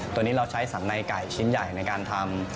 ตัวนี้เราใช้สังในไก่ชิ้นใหญ่ในการทำ